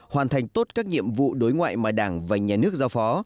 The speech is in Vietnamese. hoàn thành tốt các nhiệm vụ đối ngoại mà đảng và nhà nước giao phó